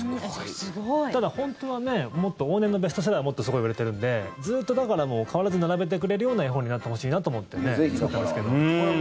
ただ、本当はもっと往年のベストセラーはもっとすごい売れてるのでずっと変わらず並べてくれるような絵本になってほしいなと思って作ったんですけども。